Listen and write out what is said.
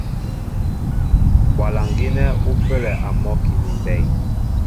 Mbwalaŋ gínɛ́ ú pə́lɛ a mɔ́ki ni mbey.